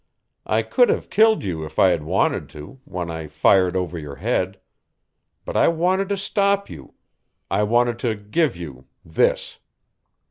I could have killed you if I had wanted to when I fired over your head. But I wanted to stop you. I wanted to give you this."